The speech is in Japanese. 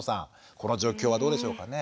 この状況はどうでしょうかね？